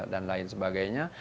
dan lain sebagainya